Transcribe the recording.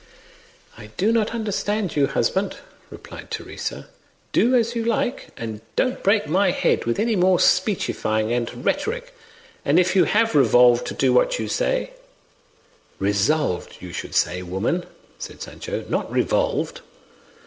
"I do not understand you, husband," replied Teresa; "do as you like, and don't break my head with any more speechifying and rethoric; and if you have revolved to do what you say " "Resolved, you should say, woman," said Sancho, "not revolved."